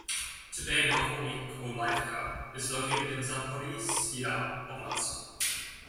Today Novomykolaivka is located in Zaporizhia Oblast.